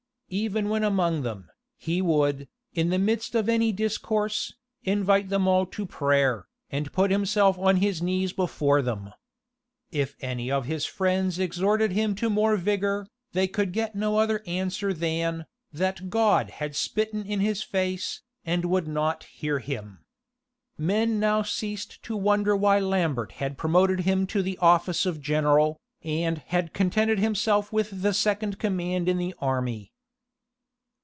Even when among them, he would, in the midst of any discourse, invite them all to prayer, and put himself on his knees before them. If any of his friends exhorted him to more vigor, they could get no other answer than, that God had spitten in his face, and would not hear him. Men now ceased to wonder why Lambert had promoted him to the office of general, and had contented himself with the second command in the army.